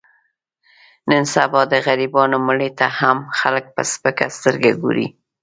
نن سبا د غریبانو مړي ته هم خلک په سپکه سترګه ګوري.